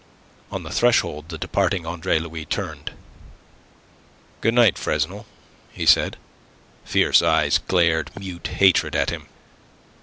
On the threshold the departing Andre Louis turned. "Good night, Fresnel," he said. Fierce eyes glared mute hatred at him.